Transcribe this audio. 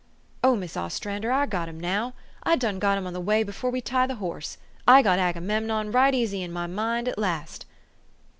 " Oh, Mis' Ostrander, I got him now ! I done got him on the way before we tie the horse. I got Aga memnon right easy in my mind at last.